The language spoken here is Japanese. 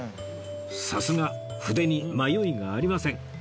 さすが筆に迷いがありません